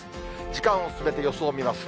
時間を進めて予想を見ます。